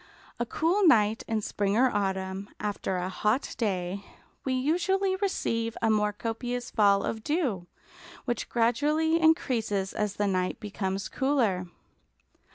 A cool night in spring or autumn, after a hot day, we usually receive a more copious fall of dew, which gradually increases as the night becomes cooler.